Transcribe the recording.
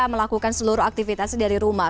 melakukan seluruh aktivitasnya dari rumah